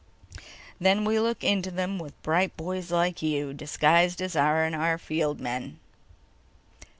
"Then we look into them with bright boys like you—disguised as R&R field men."